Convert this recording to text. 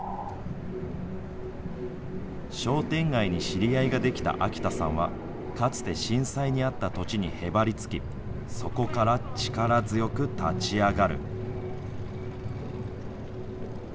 商店街に知り合いができた秋田さんは、かつて震災に遭った土地にへばりつき、そこから力強く立ち上がる。